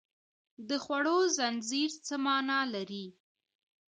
د خوړو زنځیر څه مانا لري